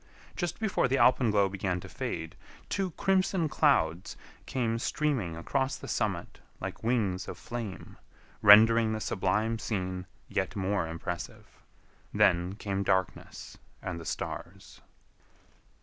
Just before the alpenglow began to fade, two crimson clouds came streaming across the summit like wings of flame, rendering the sublime scene yet more impressive; then came darkness and the stars.